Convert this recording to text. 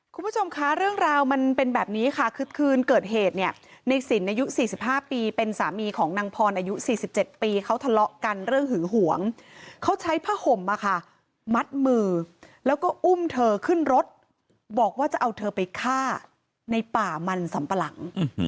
คุณผู้ชมคะเรื่องราวมันเป็นแบบนี้ค่ะคือคืนเกิดเหตุเนี่ยในสินอายุ๔๕ปีเป็นสามีของนางพรอายุ๔๗ปีเขาทะเลาะกันเรื่องหึงหวงเขาใช้ผ้าห่มมัดมือแล้วก็อุ้มเธอขึ้นรถบอกว่าจะเอาเธอไปฆ่าในป่ามันสำปะหลัง